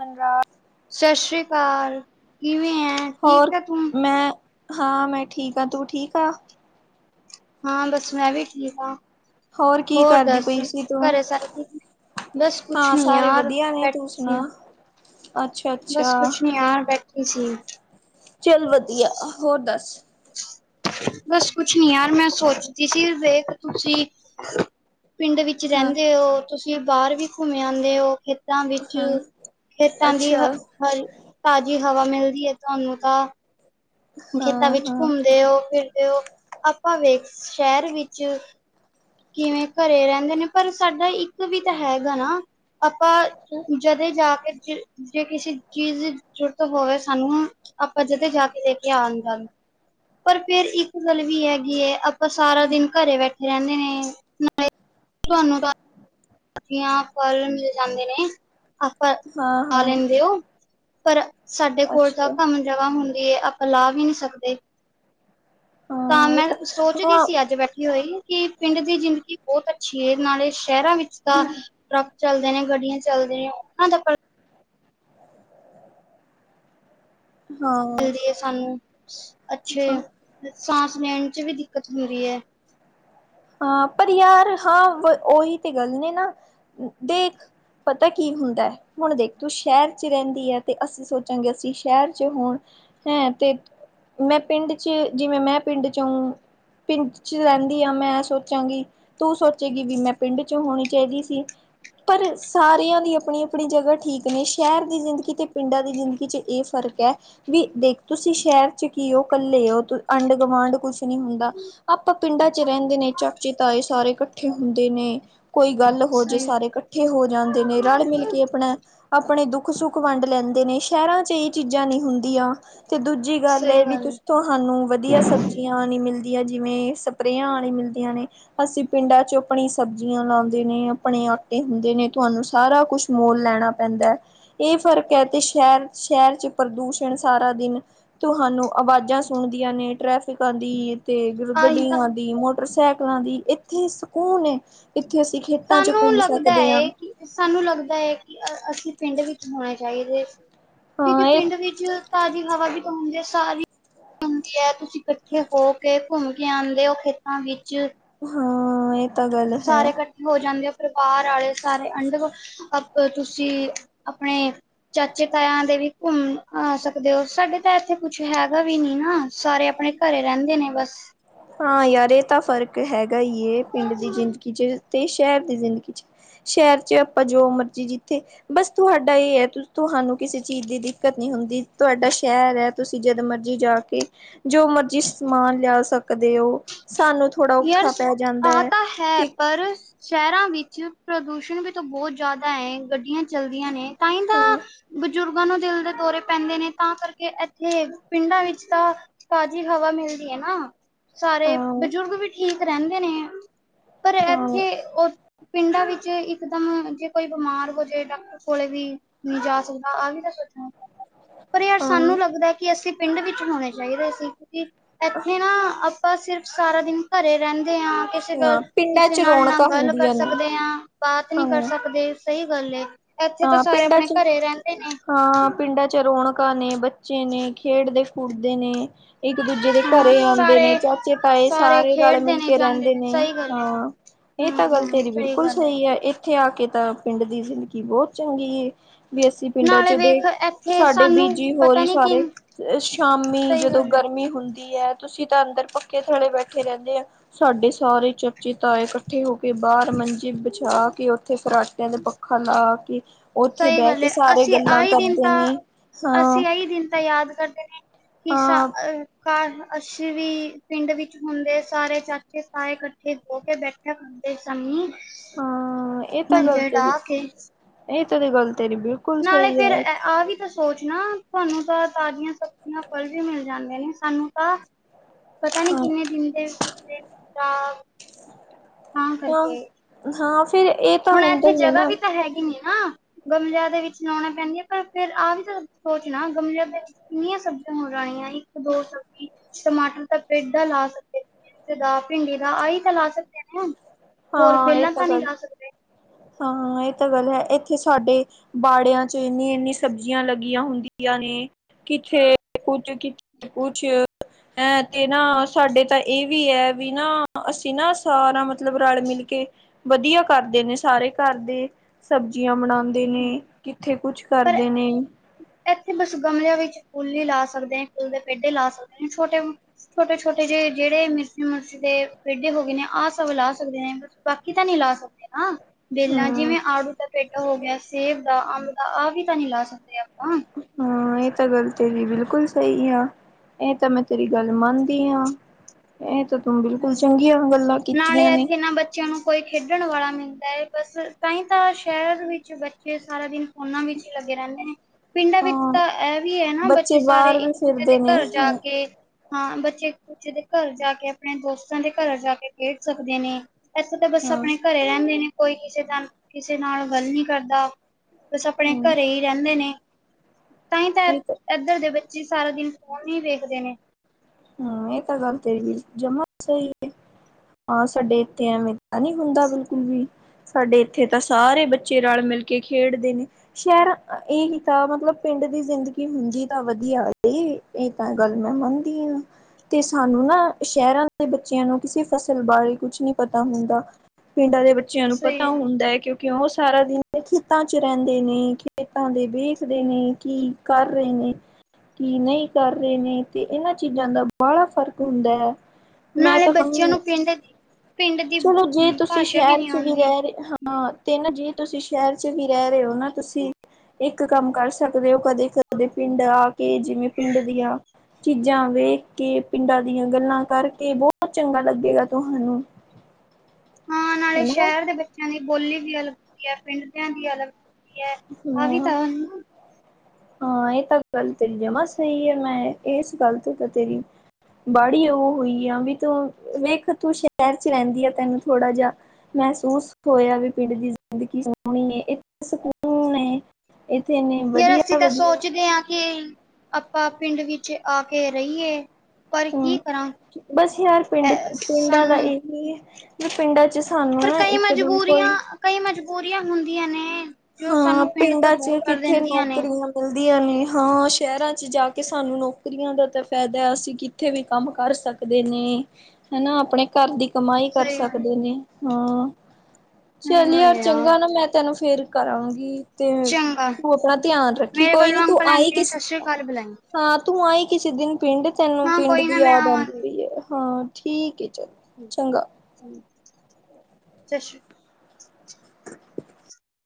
ਮਨਰਾ ਸਤਿ ਸ੍ਰੀ ਕਾਲ ਕਿਵੇਂ ਐਂ। ਹੋਰ ਮੈਂ ਹਾਂ ਮੈਂ ਠੀਕ ਆਂ ਤੂੰ ਠੀਕ ਆਂ। ਹਾਂ ਬਸ ਮੈਂ ਵੀ ਠੀਕ ਆਂ ਕੀ ਹੋਰ ਕਰਦੀ ਦੱਸ ਪਈ ਸੀ ਤੂੰ ਘਰੇ ਸਾਰੇ ਠੀਕ ਬਸ ਕੁਛ ਹਾਂ ਨੀ ਸਾਰੇ ਯਾਰ ਵਧੀਆ ਨੇ ਤੂੰ ਬੈਠੀ ਸੀ। ਸੁਣਾ ਅੱਛਾ ਬਸ ਅੱਛਾ ਕੁਛ ਨੀ ਯਾਰ ਬੈਠੀ ਸੀ। ਚੱਲ ਵਧੀਆ ਹੋਰ ਦੱਸ। ਬਸ ਕੁਛ ਨੀ ਯਾਰ ਮੈਂ ਸੋਚਦੀ ਸੀ ਵੇਖ ਤੁਸੀਂ ਪਿੰਡ ਵਿੱਚ ਹਾਂ ਰੈਂਦੇ ਓ ਤੁਸੀਂ ਬਾਰ ਵੀ ਘੁੰਮੇ ਆਂਦੇ ਓ ਏ ਖੇਤਾਂ ਵਿੱਚ ਹਾਂ ਖੇਤਾਂ ਦੀ ਅੱਛਾ ਹ ਹਰੀ ਤਾਜੀ ਹਵਾ ਮਿਲਦੀ ਐ ਤੁਆਨੂੰ ਤਾਂ ਖੇਤਾਂ ਹਾਂ ਵਿੱਚ ਹਾਂ ਘੁੰਮਦੇ ਓ ਫਿਰਦੇ ਓ ਆਪਾਂ ਵੇਖ ਸ ਸ਼ੈਰ ਵਿੱਚ ਕਿਵੇਂ ਘਰੇ ਰੈਂਦੇ ਨੇ ਪਰ ਸਾਡਾ ਇੱਕ ਵੀ ਤਾਂ ਹੈਗਾ ਨਾ। ਆਪਾਂ ਜਦੇ ਜਾ ਕੇ 'ਚ ਜੇ ਕਿਸੀ ਚੀਜ਼ ਦੀ ਜੁਰਤ ਹੋਵੇ ਸਾਨੂੰ ਆਪਾਂ ਜਦੇ ਜਾ ਕੇ ਲੈ ਕੇ ਆਣ ਦਾ ਪਰ ਫਿਰ ਇੱਕ ਗੱਲ ਵੀ ਹੈਗੀ ਏ ਆਪਾਂ ਸਾਰਾ ਦਿਨ ਘਰੇ ਬੈਠੇ ਰੈਂਨੇ ਨੇ ਨਾਲੇ ਤੁਆਨੂੰ ਤਾ ਬਜੀਆਂ ਫਲ ਮਿਲ ਜਾਂਦੇ ਨੇ ਆਪਾਂ ਹਾਂ ਖਾ ਹਾਂ ਲੈਂਦੇ ਓ ਪਰ ਸਾਡੇ ਕੋਲ ਤਾਂ ਅੱਛਾ ਭਾਵੇਂ ਜਗ੍ਹਾ ਹੁੰਦੀ ਏ ਆਪਾਂ ਲਾ ਵੀ ਨਈ ਸਕਦੇ। ਤਾਂ ਹਾਂ ਇਹ ਮੈਂ ਸੋਚਦੀ ਹਾਂ ਸੀ ਅੱਜ ਬੈਠੀ ਹੋਈ ਕਿ ਪਿੰਡ ਦੀ ਜਿੰਦਗੀ ਬੋਤ ਅੱਛੀ ਏ ਨਾਲੇ ਸ਼ੈਰਾਂ ਵਿੱਚ ਤਾ ਟਰਾਫ ਚੱਲਦੇ ਨੇ, ਗੱਡੀਆਂ ਚੱਲਦੇ ਨੇ, ਓਨਾਂ ਦਾ ਹਾਂ ਮਿਲਦੀ ਏ ਸਾਨੂੰ ਸ ਹਾਂ ਅੱਛੇ ਸਾਂਸ ਲੈਣ 'ਚ ਵੀ ਦਿੱਕਤ ਹੁੰਦੀ ਏ। ਹਾਂ ਪਰ ਯਾਰ ਹਾਂ ਵ ਉਹੀ ਤੇ ਗੱਲ ਨੇ ਨਾ ਦੇਖ ਪਤਾ ਕੀ ਹੁੰਦਾ। ਹੁਣ ਦੇਖ ਤੂੰ ਸ਼ਹਿਰ 'ਚ ਰੈਂਦੀ ਐ ਤੇ ਅਸੀਂ ਸੋਚਾਂਗੇ ਅਸੀਂ ਸ਼ੈਰ 'ਚ ਹੋਣ ਹੈਂ ਤੇਤ ਮੈਂ ਪਿੰਡ 'ਚ ਜਿਵੇਂ ਮੈਂ ਪਿੰਡ ਚੋਂ ਪਿੰਡ 'ਚ ਰੈਂਦੀ ਆਂ ਮੈਂ ਸੋਚਾਂਗੀ ਤੂ ਸੋਚੇਗੀ ਵੀ ਮੈਂ ਪਿੰਡ ਚੋਂ ਹੋਣੀ ਚਾਈਦੀ ਸੀ। ਪਰ ਸਾਰਿਆਂ ਦੀ ਆਪਣੀ ਆਪਣੀ ਜਗ੍ਹਾ ਠੀਕ ਨੇ ਸ਼ੈਰ ਦੀ ਜ਼ਿੰਦਗੀ ਤੇ ਪਿੰਡਾਂ ਦੀ ਜ਼ਿੰਦਗੀ 'ਚ ਏ ਫਰਕ ਐ। ਬੀ ਦੇਖ ਤੁਸੀਂ ਸ਼ੈਰ 'ਚ ਕੀ ਓ ਕੱਲੇ ਓ ਤੁ ਅਂਢ-ਗਵਾਂਢ ਕੁਛ ਨੀ ਹੁੰਦਾ। ਆਪਾਂ ਪਿੰਡਾਂ 'ਚ ਰੈਂਦੇ ਨੇ। ਚਾਚੇ-ਤਾਏ ਸਾਰੇ ਕੱਠੇ ਹੁੰਦੇ ਨੇ ਕੋਈ ਗੱਲ ਹੋ ਜੇ ਸਹੀ ਸਾਰੇ ਕੱਠੇ ਕੱਠੇ ਹੋ ਜਾਂਦੇ ਨੇ ਰਲ ਮਿਲ ਕੇ ਆਪਣਾ ਆਪਣੇ ਦੁੱਖ-ਸੁੱਖ ਵੰਡ ਲੈਂਦੇ ਨੇ ਸ਼ੈਰਾਂ 'ਚ ਏ ਚੀਜਾਂ ਨੀ ਹੁੰਦੀਆਂ ਤੇ ਦੂਜ ਜੀ ਗੱਲ ਸਹੀ ਏ ਵੀ ਹੈ ਤੁਹਾਨੂੰ ਵਦੀਆ ਸਬਜ਼ੀਆਂ ਨੀ ਮਿਲਦੀਆਂ ਜਿਵੇਂ ਸਪਰੇਆਂ ਆਲੀ ਮਿਲਦੀ। ਯਾਨੀ ਅਸੀਂ ਪਿੰਡਾਂ 'ਚ ਆਪਣੀ ਸਬਜ਼ੀਆਂ ਲਾਂਦੇ ਨੀ ਆਪਣੇ ਆਟੇ ਹੁੰਦੇ ਨੇ ਤੁਹਾਨੂੰ ਸਾਰਾ ਕੁਛ ਮੁੱਲ ਲੈਣਾ ਪੈਂਦੈ ਇਹ ਫ਼ਰਕ ਐ ਤੇ ਸ਼ਹਿਰ ਸ਼ਹਿਰ 'ਚ ਪ੍ਰਦੂਸ਼ਣ ਸਾਰਾ ਦਿਨ ਤੁਹਾਨੂੰ ਅਵਾਜ਼ਾਂ ਸੁਣਦੀਆਂ ਨੇ ਟ੍ਰੈਫਿਕਾਂ ਦੀ ਤੇ ਆਹੀ ਤਾਂ ਗੱਡੀਆਂ ਦੀ ਮੋਟਰਸਾਈਕਲਾਂ ਦੀ ਇੱਥੇ ਸਕੂਨ ਏ ਇੱਥੇ ਅਸੀਂ ਖੇ ਸਾਨੂੰ ਲੱਗਦਾ ਏ। ਸਾਨੂੰ ਲੱਗਦੈ ਕਿ ਅ ਅਸੀ ਪੇਂਡ ਵਿੱਚ ਹੋਨੇ ਚਾਈਦੇ ਸੀ, ਕਯੁਕਿ ਹਾਂ ਇਹ ਪਿਂਡ ਵਿੱਚ ਤਾਜ਼ੀ ਹਵਾ ਦੀ ਕੱਮ ਹੋਂਦੀ ਐ ਸਾਰੀ ਹੁੰਦੀ ਐ, ਤੁਸੀ ਕੱਠੇ ਹੋ ਕੇ ਘੁੰਮ ਕੇ ਆਂਦੇ ਓ ਖੇਤਾਂ ਵਿੱਚ। ਹਾਂ ਏ ਸਾਰੇ ਕੱਠੇ ਹੋ ਜਾਂਦੇ ਓ ਫੇਰ ਬਾਰ ਆਲੇ ਸਾਰੇ ਅਂਡਰੋ, ਅਪ ਅ ਤੁਸੀ ਅਪਣੇ ਚਾਚੇ-ਤਾਏਯਾ ਦੇ ਵੀ ਘੁੰਮ ਆ ਸਕਦੇ ਓ ਸਾਡੇ ਤਾ ਐਥੇ ਕੁਛ ਹੈਗਾ ਵੀ ਨੀ ਨਾ ਸਾਰੇ ਅਪਣੇ ਘਰੇ ਰੈਂਦੇ ਨੇ ਬੱਸ। ਹਾਂ ਯਾਰ ਏ ਤਾ ਫਰਕ ਹੈਗਾ ਈ ਏ ਪਿਂਡ ਦੀ ਜਿਂਦਗੀ ਚ। ਤੇ ਸ਼ੈਰ ਦੀ ਜ਼ਿਂਦਗੀ ਚ, ਸ਼ੈਰ ਚ ਅਪਾ ਜੋ ਮਰਜੀ ਜਿੱਥੇ ਬੱਸ ਤੁਹਾਡਾ ਈ ਏ, ਤੁ ਤੁਹਾਨੂੰ ਕਿਸੇ ਚੀਜ ਦੀ ਦਿਕਤ ਨੀ ਹੁਂਦੀ ਤੁਆਡਾ ਸ਼ੈਰ ਐ। ਤੁਸੀ ਜਦੋ ਮਰਜੀ ਜਾ ਕੇ, ਜੋ ਮਰਜੀ ਸਮਾਨ ਲਯਾ ਸਕਦੇ ਓ, ਸਾਨੂੰ ਥੋੜਾ ਯਾਰ ਔਖਾ ਪੈ ਆ ਜਾਂਦੈ। ਤਾਂ ਹੈ ਪਰ, ਸ਼ੈਰਾਂ ਵਿੱਚ ਪ੍ਰਦੂਸ਼ਣ ਵੀ ਤਾ ਬੋਤ ਜਾਦਾ ਏ ਗੱਡੀਆਂ ਚਲਦੀਆਂ ਨੇ ਤਾ ਈ ਤਾ ਹਾਂ ਬਜੁਰਗਾ ਨੂੰ ਦਿਲ ਦੇ ਦੋਰੇ ਪੈਂਦੇ ਨੇ ਤਾ ਕਰਕੇ ਐਥੇ ਪਿੰਡਾ ਵਿੱਚ ਤਾ ਤਾਜੀ ਹਵਾ ਮਿਲਦੀ ਏ ਨਾ, ਸਾਰੇ ਹਾਂ ਬਜੁਰਗ ਵੀ ਠੀਕ ਰੈਂਦੇ ਨੇ। ਪਰ ਹਾਂ ਐਥੇ ਓ ਪਿੰਡਾ ਵਿੱਚ ਇੱਕ ਤਾਂ ਅਗੇ ਕੋਈ ਬਮਾਰ ਹੋ ਜੇ ਡਾਕਟਰ ਕੋਲੇ ਵੀ ਨੀ ਜਾ ਸਕਦਾ ਆ ਵੀ ਤੇ ਸੋਚੋਂ। ਪਰ ਯਾਰ ਹਾਂ ਸਾਨੂੰ ਲੱਗਦੈ ਕਿ ਅਸੀ ਪਿੰਡ ਵਿੱਚ ਹੋਨੇ ਚਾਈਦੇ ਸੀ। ਕਿ, ਐਥੇ ਨਾ ਅਪਾ ਸਿਰਫ ਸਾਰਾ ਦਿਨ ਘੱਰੇ ਰੈਂਦੇ ਆ। ਕਿਸੇ ਗੱਲ ਹਾਂ ਪਿੰਡਾਂ ਕਿਸੇ ਚ ਨਾਲ ਨਾ ਰੌਣਕਾਂ ਗਾੱਲ ਕਰ ਹੁੰਦੀਆਂ ਨੇ ਸਕਦੇ ਆ, ਬਾਤ ਨੀ ਕਰ ਹਾਂ ਸਕਦੇ। ਸਈ ਗੱਲ ਏ, ਐਥੇ ਤਾ ਹਾਂ ਸਾਰੇ ਅਪਣੇ ਘੱਰੇ ਰੈਂਦੇ ਨੇ। ਪਿੰਡਾ ਚ ਰੌਣਕਾਂ ਨੇ, ਬੱਚੇ ਨੇ ਖੇਡਦੇ-ਖੂਡਦੇ ਨੇ। ਇੱਕ ਦੂਜੇ ਦੇ ਹਾਂ ਘੱਰੇ ਆਂਦੇ ਨੇ, ਸਾਰੇ ਚਾਚੇ-ਤਾਏ ਸਾਰੇ ਖੇਡਦੇ ਰਾਲ-ਮਿਲ ਨੇ ਕੇ ਜਾਂਦੇ ਰੈਂਦੇ ਨੇ, ਸਹੀ ਗੱਲ ਹੈ ਹਾਂ। ਏ ਹਮ ਤਾ ਗਾੱਲ ਹਮ ਤੇਰੀ ਸਹੀ ਬਿਲਕੁਲ ਗੱਲ ਹੈ ਸਈ ਐ ਏਥੇ ਆ ਕੇ ਤਾ ਪਿਂਡ ਦੀ ਜ਼ਿਦਗੀ ਬੋਤ ਚੰਗੀ ਏ। ਬੀ ਅਸੀ ਪਿਂਡਾ ਚ ਨਾਲੇ ਦੇਖ ਵੇਖ ਇੱਥੇ ਸਾਡੇ ਸਾਨੂੰ ਬੀਜੀ ਪਤਾ ਹੋਰੀ ਨੀ ਸਾਰੇ, ਕਿ ਸ਼ਾਮੀ ਸਹੀ ਜਦੋ ਗੱਲ ਹੈ, ਗਰਮੀ ਹੁੰਦੀ ਐ ਤੁਸੀ ਤਾਂ ਅਂਦਰ ਪੱਕੇ ਥੱਲੇੇ ਬੈਠੇ ਰੈਂਦੇ ਆ, ਸਾਡੇ ਸਾਰੇ ਚਾਚੀ-ਤਾਏ ਕਠ ਠੇ ਹੋ ਕੇ ਬਾਰ ਮੰਜੀ ਬਿੱਛਾ ਕੇ ਓਥੇ ਫਰਾਟੇਆਂ ਦੇ ਪੱਖਾ ਲਾ ਕੇ ਓਥੇ ਸਹੀ ਬੈ ਗੱਲ ਕੇ ਹੈ, ਸਾਰੇ ਅਸੀਂ ਗੱਲਾ ਕਰਦੇ ਨੇ, ਹਾਂ। ਈ ਦਿਨ ਤਾ ਯਾਦ ਕਰਦੇ ਨੇ, ਕਿ ਸਾ ਹਾਂ ਅ ਕਾਰ ਅਸੀ ਵੀ ਪਿਂਡ ਵਿੱਚ ਹੁੰਦੇ ਸਾਰੇ ਚਾਚੇ-ਤਾਏ ਕੱਠੇ ਹੋ ਕੇ ਬੈਠਯਾ ਕਰਨ। ਹਾਂ, ਏ ਤਾਂ ਗਾੱਲ ਮੰਜੇ ਤੇਰੀ, ਡਾਹ ਕੇ ਏ ਤੇਰੀ ਗਾੱਲ ਤੇਰੀ ਬਿਲ ਨਾਲੇ ਫੇਰ ਐ ਆ ਵੀ ਤਾ ਸੋਚਨਾ ਤੁਆਨੂੰ ਤਾ ਤਾਜੀਆਂ ਸਬਜੀਆਂ, ਫੱਲ ਵੀ ਮਿਲ ਜਾਂਦੇ ਨੇ ਸਾਨੂੰ ਤਾ ਪਤਾ ਨੀ ਹਾਂ ਕਿੰਨੇ ਦਿਨ ਦੇ [unintelligible] ਓ, ਹਾਫ ਹੋਣ ਐਥੇ ਜਗਾ ਵੀ ਤਾ ਹੈਗੀ ਨੀ ਨਾ। ਗਮਲੇਆਂ ਦੇ ਵਿੱਚ ਨਾਓਣਾ ਪੈਂਦੀ ਏ ਪਰ ਫੇਰ ਆ ਵੀ ਤਾ ਸੋਚ ਨਾ ਗਮਲੇਆਂ ਦੇ ਕਿੰਨੀਆਂ ਸਬਜੀਆਂ ਮਗਾਈਆ ਈ ਇੱਕ - ਦੋ ਸਬਜੀ। ਟਮਾਟਰ ਦਾ ਪੇਡਾ ਲਾ ਸਕਦੇ [unintelligible] ਪਿਂਡੀ ਦਾ ਆਈ ਤਾ ਲਾ ਸਕਦੇ ਨੇ। ਹੋਰ ਹਾਂ ਇਹ ਬੇਲਾ ਤਾਂ ਤਾ ਨੀ ਗੱਲ ਲਾ ਸਕਦੇ। ਹਾਂ ਏ ਤਾ ਗਾੱਲ ਹੈ ਐਥੇ ਸਾਡੇ ਬਾੜੇਆਂ ਚ ਇਨੀ-ਇਨੀ ਸਬਜੀਆ ਲੱਗੀਆਂ ਹੁੰਦੀਆਂ ਨੇ, ਕਿੱਥੇ ਕੁੱਝ ਕਿ ਕੂਛ ਹੈਂ ਤੇ ਨਾ ਸਾਡੇ ਤਾਂ ਏ ਵੀ ਐ ਵੀ ਨਾ, ਅਸੀਂ ਨਾ ਸਾਰਾ ਮਤ ਮਤਲਬ ਰਾੱਲ਼-ਮਿਲ ਕੇ ਬਦੀਆ ਕਾਰਦੇ ਨੇ ਸਾਰੇ ਘਾਰ ਦੇ। ਸਬਜੀਆਂ ਬਣਾਂਦੇ ਨੇ ਕਿੱਥੇ ਕੁਛ ਕਰਦੇ ਨੇ। ਏੱਥੇ ਬੱਸ ਗਮਲੇਆਂ ਵਿੱਚ ਫੁੱਲ ਈ ਲਾ ਸਕਦੇ ਐਂ ਫੁੱਲ ਦੇ ਪੇਡੇ ਲਾ ਸਕਦੇ ਨੇ ਛੋਟੇ ਛੋਟੇ-ਛੋਟੇ ਜੇ ਜੇੜੇ ਮਿਰਚੀ-ਮੁਰਚੀ ਦੇ, ਪੇਡੇ ਹੋ ਗੇ ਨੇ ਆਹ ਸਭ ਲਾ ਸਕਦੇ ਨੇ। ਬਾਕੀ ਤਾਂ ਨੀ ਲਾ ਸਕਦੇ ਨਾਂ। ਬੇਲਾਂ ਹਾਂ ਜਿਵੇਂ ਆੜੂ ਤਾਂ ਪੇਡਾ ਹੋ ਗੇਆ ਸੇਬ ਦਾ, ਆੰਬ ਦਾ ਆ ਵੀ ਤਾਂ ਨੀ ਲਾ ਸਕਦੇ ਆਪਾਂ। ਹਾਂ ਏ ਤਾਂ ਗੱਲ ਤੇਰੀ ਬਿਲਕੁਲ ਸਈ ਆ, ਏ ਤਾਂ ਮੈਂ ਤੇਰੀ ਗੱਲ ਮੰਨਦੀ ਆਂ, ਏ ਤਾਂ ਤੂੰ ਬਿਲਕੁਲ ਚੰਗੀਆਂ ਗੱਲਾਂ ਕੀਤੀਆਂ ਨੇ। ਚਾਂ ਕੋਈ ਖੇਡੱਣ ਵਾਲਾ਼ ਮਿਲਦਾ ਏ ਬੱਸ, ਤਾਂ ਈ ਤਾਂ ਸੈ਼ਰ ਵਿੱਚ ਬੱਚੇ ਸਾਰਾ ਦਿਨ ਓਨਾਂ ਵਿੱਚ ਈ ਲੱਗੇ ਰੈਂਦੇ ਨੇ। ਪਿੰਡਾਂ ਵਿੱਚ ਹਾਂ ਤਾਂ ਐ ਵੀ ਐ ਨਾ ਬੱਚੇ ਸਾਰੇ ਬਾਹਰ ਵੀ ਇੱਕ-ਦੂਜੇ ਦੇ ਫਿਰਦੇ ਨੇ ਘਰ ਜਾ ਹਾਂ ਕੇ ਹਾਂ, ਬੱਚੇ ਏੱਕ-ਦੂਜੇ ਦੇ ਘਰ ਜਾ ਕੇ ਆਪਣੇ ਦੋਸਤਾਂ ਦੇ ਘਰ ਜਾ ਕੇ ਖੇਡ ਸਕਦੇ ਨੇ। ਏਥੇ ਤਾਂ ਬਸ ਹਾਂ ਅਪਣੇ ਘਰੇ ਰੈਂਦੇ ਨੇ ਕੋਈ ਕਿਸੇ ਦਾ, ਕਿਸੇ ਨਾਲ਼ ਗੱਲ ਨੀ ਕਰਦਾ। ਬੱਸ ਅਪਣੇ ਹਾਂ ਘਰੇ ਈ ਰੈਂਦੇ ਨੇ, ਤਾਂਈ ਤਾਂ ਏ ਏ ਏਦਰ ਦੇ ਬੱਚੇ ਸਾਰਾ ਦਿਨ ਫੋਨ ਈ ਵੇਖਦੇ ਨੇ। ਹਾਂ, ਏ ਤਾਂ ਗੱਲ ਤੇਰੀ ਬ ਜਮਾ ਸਈ ਏ। ਹਾਂ, ਸਾਡੇ ਏਥੇ ਐਵੇਂ ਤਾਂ ਨੀ ਹੁੰਦਾ ਬਿਲਕੁਲ ਵੀ। ਸਾਡੇ ਏੱਥੇ ਤਾਂ ਸਾਰੇ ਬੱਚੇ ਰਾਲ਼-ਮਿਲ ਕੇ ਖੇੜਦੇ ਨੇ। ਸੈ਼ਰਾਂ, ਅ ਏਹੀ ਤਾਂ ਮਤਲਬ ਪੇੰਡ ਦੀ ਜ਼ਿੰਦਗੀ ਹੁੰਦੀ ਤਾਂ ਵਦੀਆ [unintelligible] ਏ ਤਾਂ ਅ ਗੱਲ ਮੈਂ ਮੰਨਦੀ ਆਂ। ਤੇ ਸਾਨੂੰ ਨਾ ਸੈ਼ਰਾਂ ਦੇ ਬੱਚੇਆਂ ਨੂੰ ਕਿਸੇ ਫਸਲ ਬਾਰੇ ਕੁਛ ਨੀ ਪਤਾ ਹੁੰਦਾ। ਪਿੰਡਾਂ ਦੇ ਬੱਚੇਆਂ ਨੂੰ ਪਤਾ ਸਹੀ ਹੁੰਦੈ ਕੇਓ ਕੇਓਂ ਓ ਸਾਰਾ ਦਿੱਨ ਖੇਤਾਂ ਚ ਰੈਂਦੇ ਨੇ ਖੇਤਾਂ ਦੇ ਵੇਖਦੇ ਨੇ ਕੀ ਕਾਰ ਰਏ ਨੇ। ਕੀ ਨਈ ਕਰ ਰੇ ਨੇ ਤੇ ਏਨਾਂ ਚੀਜਾਂ ਦਾ ਬਾਲਾ਼ ਫੱਰਕ ਹੁੰਦੈ। ਮੈਂ ਨਾਲੇ ਤਾਂ ਬੱਚਿਆਂ ਨੂੰ ਕਹੂੰ, ਪਿੰਡ ਦੀ ਪਿੰਡ ਦੀ ਚਲੋ ਜੇ ਤੁਸੀ ਭਾਸ਼ਾ ਸੈ਼ਰ ਨਹੀਂ ਚ ਵੀ ਆਉਂਦੀ ਰੇ ਰਏ ਹਾਂ ਹਾਂ, ਤੇ ਨਾ ਜੇ ਤੁਸੀ ਸੈ਼ਰ ਚ ਵੀ ਰੈ ਰਏ ਓ ਨਾ ਤੁਸੀ ਇੱਕ ਕਾੰਮ ਕਾਰ ਸਕਦੇ ਓ ਕਦੇ-ਕਦੇ ਪਿੰਡ ਆ ਕੇ ਜਿਵੇਂ ਪਿੰਡ ਦੀਆਂ ਚੀਜਾਂ ਵੇਖ ਕੇ ਪਿੰਡਾਂ ਦੀਆਂ ਗੱਲਾਂ ਕਾਰਕੇ ਬੋਤ ਚੰਗਾ ਲੱਗੇਗਾ ਤੁਹਾਨੂੰ। ਹਾਂ, ਨਾਲੇ਼ ਹਨਾ ਸੈ਼ਰ ਦੇ ਬੱਚੇਆਂ ਦੀ ਬੋਲੀ ਵੀ ਅਲੱਗ ਹੁੰਦੀ ਐ ਪਿੰਡ ਦੇਆਂ ਦੀ ਅਲੱਗ ਹੁੰਦੀ ਹੈ ਆ ਵੀ ਹਾਂ। ਤਾਂ ਹਾਂ, ਏ ਤਾਂ ਗੱਲ ਤੇਰੀ ਜਮਾ ਸਈ ਐ ਮੈਂ, ਏਸ ਗੱਲ ਤੇ ਤਾ ਤੇਰੀ ਬਾੜੀ ਓ ਹੋਈ ਆਂ ਵੀ ਤੂੰ, ਵੇਖ ਤੂੰ ਸੈ਼ਰ ਚ ਰੈਂਦੀ ਆ ਤੈਨੂੰ ਥੋੜਾ ਜਾ ਮੈਹਸੂਸ ਤੇ ਹੋਏਆ ਵੀ ਪਿੰਡ ਦੀ ਜ਼ਿੰਦਗੀ ਸੋਣੀ ਏ [unintelligible] ਨੇ ਏੱਥੇ ਏਨੇ ਯਾਰ ਅਸੀਂ ਤਾਂ ਸੋਚਦੇ ਆਂ ਕਿ, ਆਪਾਂ ਪਿੰਡ ਵਿੱਚ ਆ ਕੇ ਰਈਏ। ਹੂੰ, ਬਸ ਯਾਰ ਪਿੰਡ ਅ ਪਿੰਡਾਂ ਦਾ ਸਾਨੂੰ ਏਹੀ ਵੀ ਪਿੰਡਾਂ ਚ ਤੁਹਾਨੂੰ ਪਰ ਨਾ ਕਈ ਇੱਕ ਦੱਮ ਮਜਬੂਰੀਆਂ ਕੋਈ ਕਈ ਮਜਬੂਰੀਆਂ ਹੁੰਦੀਆਂ ਨੇ। ਜੋ ਹਾਂ, ਸਾਨੂੰ ਪਿੰਡ ਤੋਂ ਪਿੰਡਾਂ ਚ ਦੂਰ ਕਰ ਕਿੱਥੇ ਦਿੰਦੀਆਂ ਨੇ ਨੌਕਰੀਆਂ ਮਿਲਦੀਆਂ ਨੀ ਹਾਂ, ਸੈ਼ਰਾਂ ਚ ਜਾ ਕੇ ਸਾਨੂੰ ਨੌਕਰੀਆਂ ਦਾ ਤੇ ਫੈਦੈ ਅਸੀ ਕਿ ਉੱਥੇ ਵੀ ਕਾੰਮ ਕਾਰ ਸਕਦੇ ਨੇ, ਹੈਨਾ ਆਪਣੇ ਘਾਰ ਦੀ ਕਮਾਈ ਕਾਰ ਸਹੀ ਗੱਲ ਸਕਦੇ ਨੇ ਹਾਂ, ਨਹੀਂ ਚੱਲ ਯਾਰ ਬੋਲਿਆ ਚੰਗਾ ਨਾ ਮੈਂ ਤੈਨੂੰ ਫੇਰ ਕਰਾਂਗੀ ਤੇ, ਚੰਗਾ ਤੂੰ ਆਪਣਾ ਧਿਆਨ ਰੱਖੀ ਮੇਰੇ ਕੋਈ ਨੀ ਵੱਲੋਂ ਤੂੰ ਅੰਕਲ ਆਈ ਆਂਟੀ ਨੂੰ ਕਿਸੇ ਸਤਿ ਸ਼੍ਰੀ ਅਕਾਲ ਬੁਲਾਈ ਹਾਂ, ਤੂੰ ਆਈ ਕਿਸੇ ਦਿਨ ਪਿੰਡ, ਤੈਨੂੰ ਹਾਂ ਪਿੰਡ ਕੋਈ ਨਾ ਦੀ ਮੈਂ ਯਾਦ ਆਉਂਦੀ ਆਵਾਂਗੀ ਪਈ ਹੈ, ਹਾਂ ਠੀਕ ਹੈ ਚਲ ਚੰਗਾ [unintelligible]